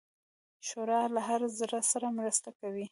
ښوروا له هر زړه سره مرسته کوي.